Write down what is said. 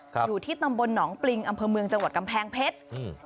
อยู่ที่ตำบลหนองปริงอำเภอเมืองจังหวัดกำแพงเพชรอืม